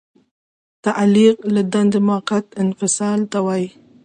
تعلیق له دندې موقت انفصال ته وایي.